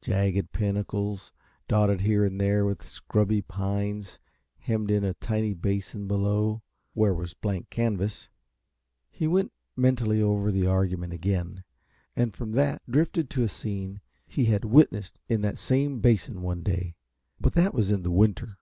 Jagged pinnacles, dotted here and there with scrubby pines, hemmed in a tiny basin below where was blank canvas. He went mentally over the argument again, and from that drifted to a scene he had witnessed in that same basin, one day but that was in the winter.